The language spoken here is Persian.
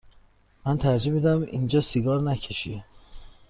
من ترجیح می دهم اینجا سیگار نکشی.